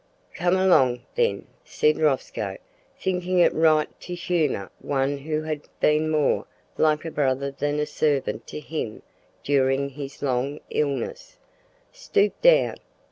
"Come along, then," said Rosco, thinking it right to humour one who had been more like a brother than a servant to him during his long illness, "stoop down.